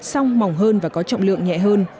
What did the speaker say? song mỏng hơn và có trọng lượng nhẹ hơn